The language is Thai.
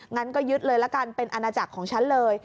งั้นก็ยึดเลยละกันเป็นอาณาจักรของฉันเลย